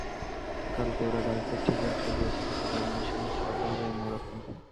কালকে ওরা ডাচদের ঠিকই আটকে দিয়েছে, কিন্তু জার্মানির সঙ্গে খেলাটা হবে অন্যরকম।